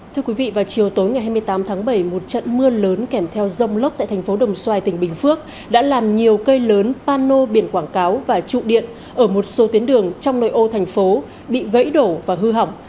thưa quý vị vào chiều tối ngày hai mươi tám tháng bảy một trận mưa lớn kèm theo dông lốc tại thành phố đồng xoài tỉnh bình phước đã làm nhiều cây lớn pano biển quảng cáo và trụ điện ở một số tuyến đường trong nội ô thành phố bị gãy đổ và hư hỏng